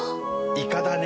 イカだね。